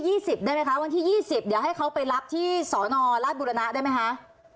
สักวันที่๒๐ได้ไหมคะวันที่๒๐เดี๋ยวให้เขาไปรับที่สนราชบุรณะได้ไหมคะ